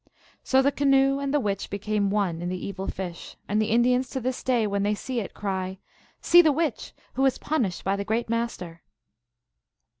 So the canoe and the witch be came one in the evil fish, and the Indians to this day when they see it, cry, " See the witch, who was pun ished by the great Master